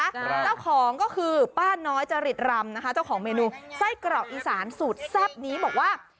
เจ้าของก็คือป้าน้อยจริตรำนะคะเจ้าของเมนูไส้กรอกอีสานสูตรแซ่บนี้บอกว่า